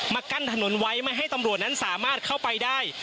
กั้นถนนไว้ไม่ให้ตำรวจนั้นสามารถเข้าไปได้